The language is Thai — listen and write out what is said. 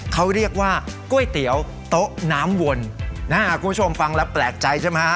เขาเรียกว่าก๋วยเตี๋ยวโต๊ะน้ำวนนะฮะคุณผู้ชมฟังแล้วแปลกใจใช่ไหมฮะ